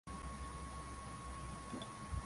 bomba la titanic lilivunjika na kuanguka kwenye maji